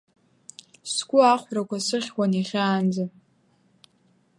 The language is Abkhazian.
Сгәы ахәрақәа сыхьуан, иӷьаанӡа.